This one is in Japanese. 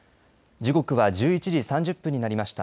時刻は１１時３０分になりました。